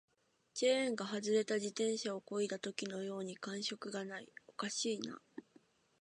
チェーンが外れた自転車を漕いだときのように感触がない、おかしいな